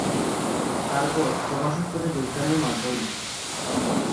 তারপর প্রভাষক পদে যোগদানের মাধ্যমে।